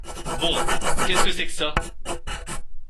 Bon ! qu’est-ce que c’est que ça ?